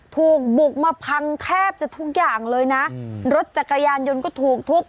ถูกบุกมาพังแทบจะทุกอย่างเลยนะรถจักรยานยนต์ก็ถูกทุบ